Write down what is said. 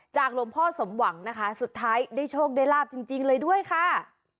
หลวงพ่อสมหวังนะคะสุดท้ายได้โชคได้ลาบจริงเลยด้วยค่ะ